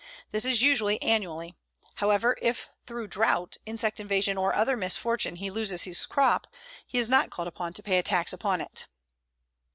This is usually annually. However, if through drought, insect invasion or other misfortune he loses his crop, he is not called upon to pay a tax upon it.